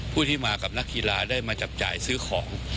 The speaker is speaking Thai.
ผู้ที่มากับนักกีฬาได้มาจับจ่ายซื้อของ